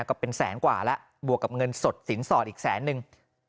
ก็เป็นแสนกว่าแล้วบวกกับเงินสดสินสอดอีกแสนนึง